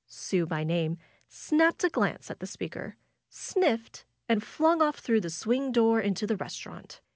Sue by name, snapped a glance at the speaker, sniffed, and fiung off through the swing door into the restaurant.